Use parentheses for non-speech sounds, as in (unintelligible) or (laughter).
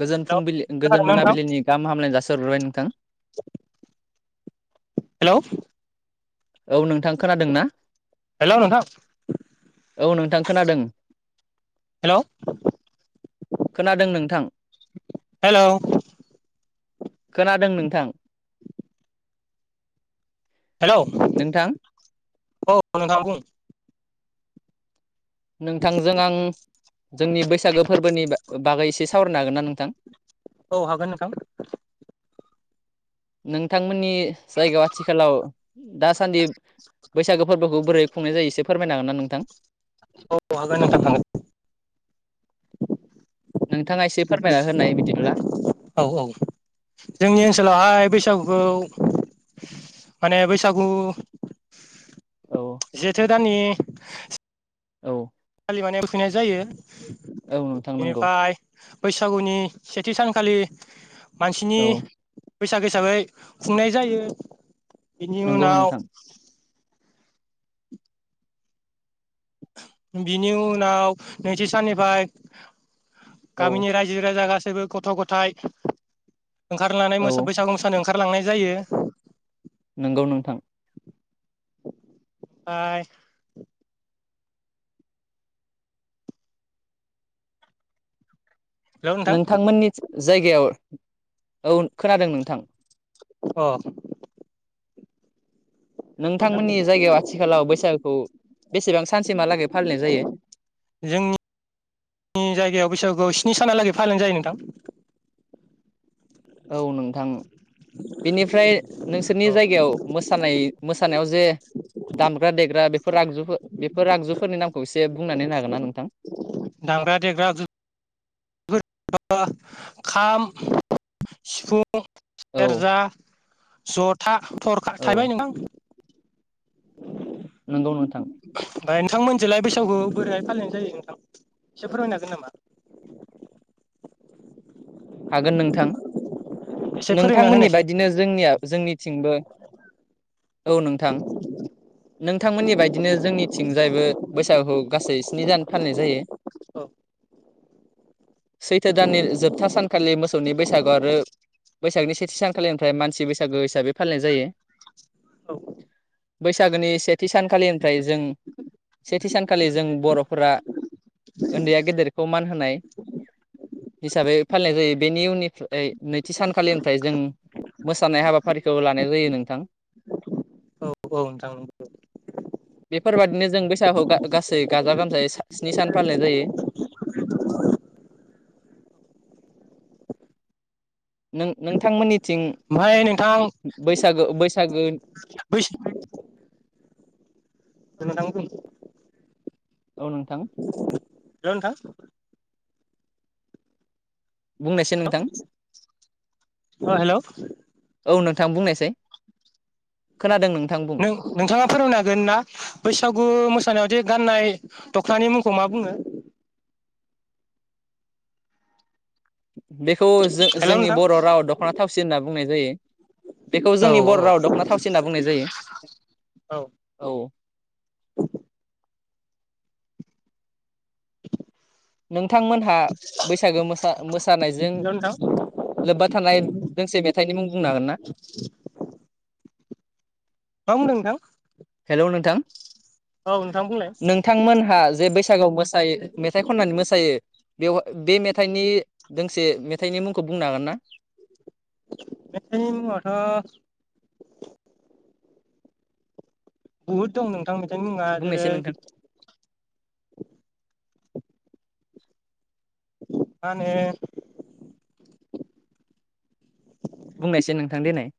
गोजोन फुंबिलि हेलौ गोजोन खोनादोंना नोंथां मोनाबिलिनि गाहाम हामलायनाय जासिहरग्रोबाय नोंथां। हेलौ औ नोंथां खोनादों ना? हेलौ नोंथां। औ नोंथां खोनादों। हेलौ खोनादों नोंथां। हेलौ खोनादों नोंथां। हेलौ नोंथां औ नोंथां बुं । नोंथांजों आं जोंनि बैसागो फोरबोनि बागै एसे सावरायनो हागोन ना नोंथां? औ हागोन नोंथां नोंथांमोननि जायगायाव आथिखालाव दासान्दि बैसागो फोरबोखौ बोरै खुंनाय जायो एसे फोरमायनो हागोन ना नोंथां? औ हागोन नोथां हागोन। नोंथाङा एसे फोरमायना होनाय बिदिब्ला। औ औ जोंनि ओनसोलावहाय बैसागुखौ माने बैसागु औ जेथो दाननि औ। मानेगायनाय फुहैनाय जायो। औ नोंथां नोंगौ। बेनिफ्राय बैसागुनि सेथि सानखालि मानसिनि औ बैसाग हिसाबै खुंनाय जायो। बिनि नंगौ उनाव नोंथां बिनि उनाव नैथि साननिफाय औ गामिनि रायजो राजा गास गासैबो गथ' गथाइ ओंखारनानै औ मोसौ बैसागु मोसानो ओंखारलांनाय जायो। नंगौ नोंथां फाय हेलौ नोंथां नोंथांमोननिथिं जायगायाव औ खोनादों नोंथां। अ । नोंथांमोननि जायगायाव आथिखालाव बैसागुखौ बेसेबां सानसेमहालागै फालिनाय जायो? जोंनि जायगायाव बैसागुआव स्नि सानालागै फालिनाय जायो नोंथां। औ नोंथां । बेनिफ्राय नोंसोरनि औ जायगायाव मोसानाय मोसानायाव जे दामग्रा देग्रा बेफोर आगजुफो बेफोर आगजुफोरनि नामखौ एसे बुंनानै होनो हागोन ना नोंथां? दामग्रा देग्रा आगजुफोर (unintelligible) खाम, सिफु (unintelligible) औ सेरजा ज'था थरखा औ थायबाय नोंथां। नोंगौ नों ओमफाय नोंथां मोनजोंलाय बैस सागुखौ बोरैहाय फालिनाय जायो नोंथां एसे फोरमायनो हागोन नामा? हागोन नोंथां एसे फोरोंना नोंथांमोननि होनायसाय बायदिनो जोंनिया जोंनिथिंबो औ नोंथां नोंथांमोननि बायदिनो जोंनिथिंजायबो बैसागु गासै स्नि दान फालिनाय जायो। औ सैथो दाननि जोबथा सान सानखालि मोसौनि बैसागुआव आरो बैसागनि सेथि सानखालिनिफ्राय मानसि बै सागो हिसाबै फालिनाय जायो। औ बैसागोनि से थि सानखालिनिफ्राय जों सेथि सानखालि जों बर'फोरा उनदैया गेदेर खौ मान होनाय हिसाबै फालिनाय जायो बेनि उननिफ्राय नैथि सानखालिनिफ्राय जों मोसानाय हाबाफारिखौ लानाय जायो नोंथां । औ औ नोंथां नंगौ । बेफोरबादिनो जों बैसागु गासै गाजा गोमजायै स्नि सान फालिनाय जायो । नों नोंथांमोननिथिं ओमफ्राय नोंथां बैसागो बैसागो बैस दे नोंथां बुं? औ नोंथां हेल' नोंथां? बुंनायसै नोंथां (unintelligible) अ हेल' (inaudible) औ नोंथां बुंनायसाय खोनादों नों नों नोंथाङा फोरमायनो हागोन ना बैसागु मोसानायाव दि गाननाय दखनानि मुंखौ मा बुङो? बेखौ जों हेल' जोंनि नोंथां बर' रावाव दख'ना थावसि होनना बुंनाय जायो। बेखौ औ जोंनि औ बर' रावाव दख'ना थावसि होनना बुंनाय जायो हेल' औ। नोंथांमोनहा बैसागो मोसा मोसानायजों नोंथां लोब्बा थानाय दोंसे मेथाइनि मुं बुंनो हागोन ना? मा बुंदों नोंथां? हेलौ नोंथां। औ नोंथां बुंलाय नोंथांमोनहा जे बैसागोआव मोसायो मेथाइ खननानै मोसायो बेव बे मेथाइनि दोंसे मेथाइनि मुंखौ बुंनो हागोन ना? मेथायनि मुंआथ' बुहुत दं नोंथांमोन। मुङा जेरै बुंनायसै नोंथां मा होनो बुंनायसाय नोंथां देनाय।